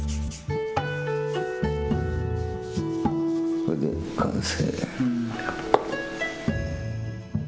これで完成。